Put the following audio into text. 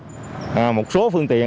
đó là một số phương tiện